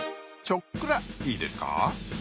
ちょっくらいいですか。